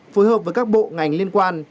phối hợp với các bộ ngành liên quan